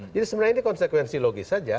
jadi sebenarnya ini konsekuensi logis saja